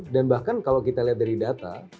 dan bahkan kalau kita lihat dari data